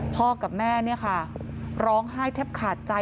พ่อกับแม่เนี่ยค่ะร้องไห้แทบขาดใจ